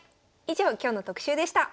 以上今日の特集でした。